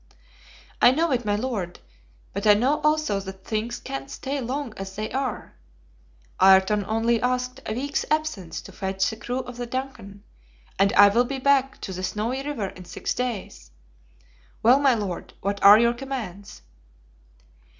"I know it, my Lord, but I know also that things can't stay long as they are; Ayrton only asked a week's absence to fetch the crew of the DUNCAN, and I will be back to the Snowy River in six days. Well, my Lord, what are your commands?"